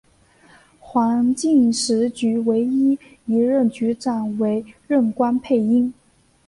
环境食物局唯一一任局长为任关佩英。